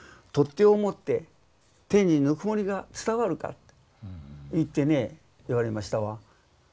「取っ手を持って手にぬくもりが伝わるか」って言ってね言われましたわ。